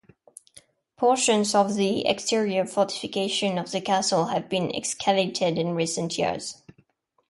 Portions of the exterior fortifications of the castle have been excavated in recent years.